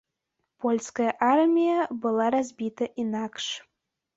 Польская армія была разбіта інакш.